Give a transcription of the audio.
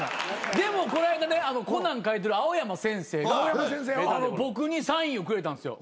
でもこないだね『コナン』描いてる青山先生が僕にサインをくれたんすよ